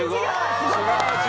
すごくない？